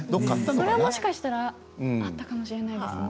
それはもしかしたらあったかもしれないですね。